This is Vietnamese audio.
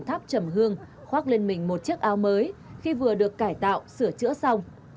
tháp trầm hương khoác lên mình một chiếc ao mới khi vừa được cải tạo sửa chữa xong